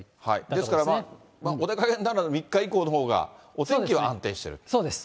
ですから、お出かけになるなら３日以降のほうがお天気は安定そうです。